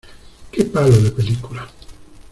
Qué palo de película.